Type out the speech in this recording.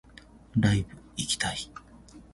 ライブ行きたい